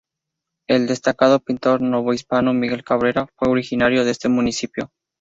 El destacado pintor novohispano Miguel Cabrera fue originario de este municipio.